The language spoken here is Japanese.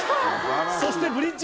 そしてブリッジ。